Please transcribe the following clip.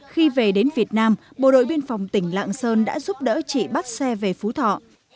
khi về đến việt nam bộ đội biên phòng tỉnh lạng sơn đã giúp đỡ chị bắt xe về phú thọ